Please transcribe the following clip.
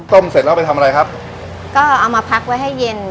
เสร็จแล้วไปทำอะไรครับก็เอามาพักไว้ให้เย็น